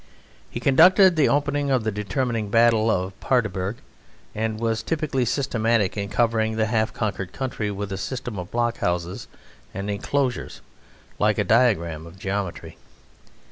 He conducted the opening of the determining battle of Paardeberg, and was typically systematic in covering the half conquered country with a system of block houses and enclosures like a diagram of geometry.